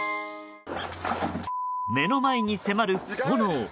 目の前に迫る炎。